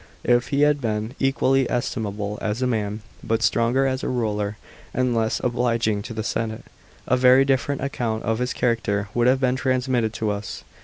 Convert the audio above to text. If he had been equally estimable as a man, but stronger as a ruler, and less obliging to the senate, a very different account of his character would have been transmitted to us.